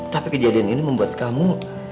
tapi kejadian ini membuat kamu